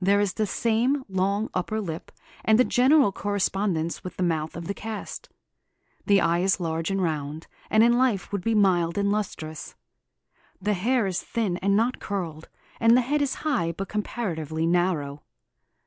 There is the same long upper lip, and a general correspondence with the mouth of the cast. The eye is large and round, and in life would be mild and lustrous. The hair is thin and not curled, and the head is high but comparatively narrow.